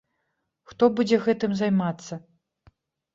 Хто будзе гэтым займацца?